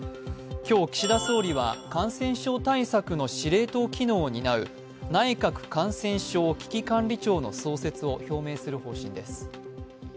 今日、岸田総理は感染症対策の司令塔機能を担う内閣感染症危機管理庁の創設を表明する方針です。